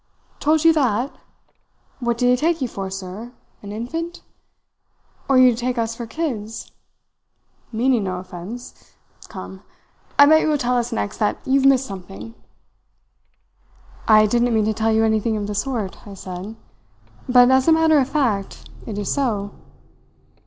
"'Told you that? What did he take you for, sir an infant? Or do you take us for kids? meaning no offence. Come, I bet you will tell us next that you've missed something.'" "'I didn't mean to tell you anything of the sort,' I said, 'but as a matter of fact it is so.'